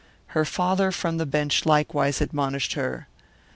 Her father, from the bench, likewise admonished her.